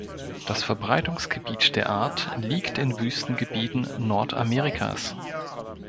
Das Verbreitungsgebiet der Art liegt in Wüstengebieten Nordamerikas.